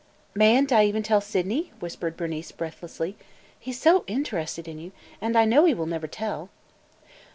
"May n't I even tell Sydney?" whispered Bernice breathlessly. "He 's so interested in you, and I know he will never tell!"